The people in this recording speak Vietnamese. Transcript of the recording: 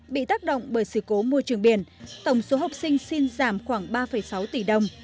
bị tác động bởi sự cố môi trường biển tổng số học sinh xin giảm khoảng ba sáu tỷ đồng